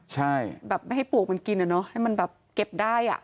ใช่แบบไม่ให้ปวกมันกินอะเนาะให้มันแบบเก็บได้อ่ะ